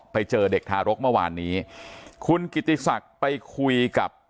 ไปเจอเด็กทารกเมื่อวานนี้คุณกิติศักดิ์ไปคุยกับ